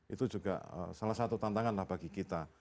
itu juga salah satu tantangan lah bagi kita